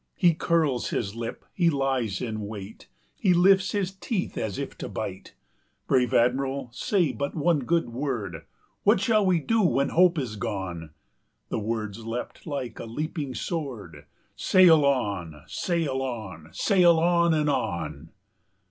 He curls his lip, he lies in wait, He lifts his teeth as if to bite! Brave Admiral, say but one good word: What shall we do when hope is gone?" The words leapt like a leaping sword: "Sail on! sail on! sail on! and on!"